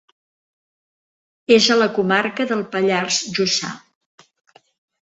És a la comarca del Pallars Jussà.